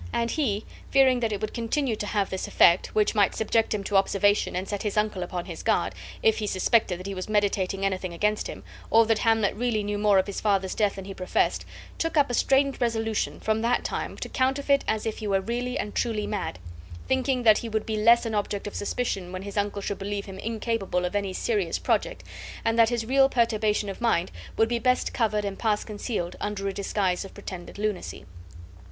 And he, fearing that it would continue to have this effect, which might subject him to observation and set his uncle upon his guard, if he suspected that he was meditating anything against him, or that Hamlet really knew more of his father's death than he professed, took up a strange resolution, from that time to counterfeit as if he were really and truly mad; thinking that he would be less an object of suspicion when his uncle should believe him incapable of any serious project, and that his real perturbation of mind would be best covered and pass concealed under a disguise of pretended lunacy.